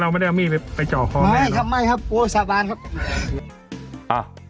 ไม่ครับไม่ครับโปรสาบานครับ